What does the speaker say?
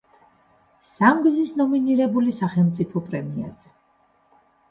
სამგზის ნომინირებული სახელმწიფო პრემიაზე.